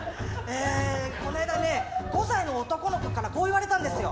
この間、５歳の男の子からこういわれたんですよ。